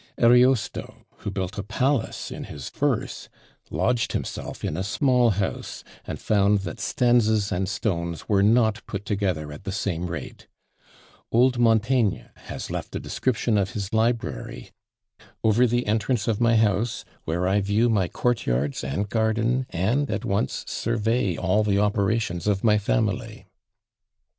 Ariosto, who built a palace in his verse, lodged himself in a small house, and found that stanzas and stones were not put together at the same rate: old Montaigne has left a description of his library; "over the entrance of my house, where I view my court yards, and garden, and at once survey all the operations of my family!"